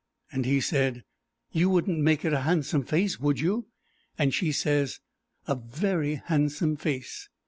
And he said, 'You wouldn't make it a handsome face, would you?' and she says, 'A very handsome face.'